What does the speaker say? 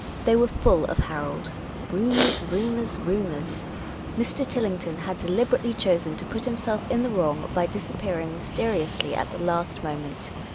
They were full of Harold. Rumours, rumours, rumours ! Mr. Tillington had deliberately choseti to put himself in the wrong by dis appearing mysteriously at the last moment.